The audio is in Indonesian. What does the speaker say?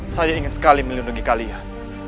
saya ingin sekali melindungi kalian